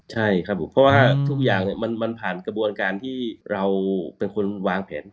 ใช่ครับผมเพราะว่าทุกอย่างมันผ่านกระบวนการที่เราเป็นคนวางแผน